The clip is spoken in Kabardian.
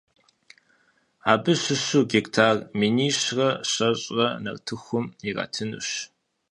Абы щыщу гектар минищэрэ щэщӏрэр нартыхум иратынущ.